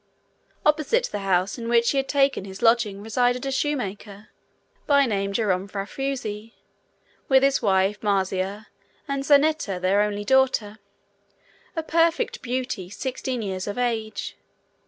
Opposite the house in which he had taken his lodging resided a shoemaker, by name Jerome Farusi, with his wife Marzia, and Zanetta, their only daughter a perfect beauty sixteen years of age.